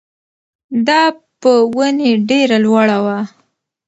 دا په ونې ډېره لوړه وه.